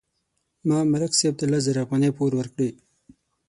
ما ملک صاحب ته لس زره افغانۍ پور ورکړې.